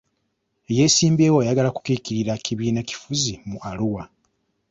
Ey'esimbyewo ayagala kukiikirira kibiina kifuzi mu Arua.